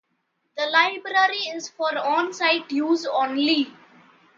The library is for on-site use only.